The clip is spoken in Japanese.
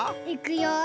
いくよ。